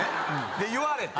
で言われて。